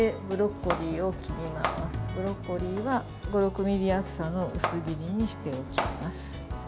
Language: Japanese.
ブロッコリーは５６ｍｍ厚さの薄切りにしておきます。